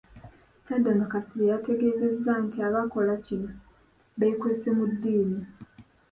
Kyaddondo Kasirye yategeezezza nti abakola kino beekwese mu ddiini